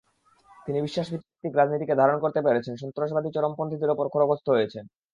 তিনি বিশ্বাসভিত্তিক রাজনীতিকে ধারণ করতে পেরেছেন, সন্ত্রাসবাদী চরমপন্থীদের ওপর খড়্গহস্ত হয়েছেন।